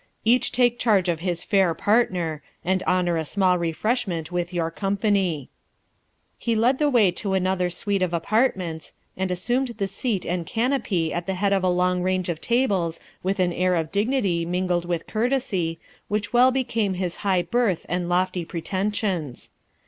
Each take charge of his fair partner, and honour a small refreshment with your company.' He led the way to another suite of apartments, and assumed the seat and canopy at the head of a long range of tables with an air of dignity, mingled with courtesy, which well became his high birth and lofty pretensions.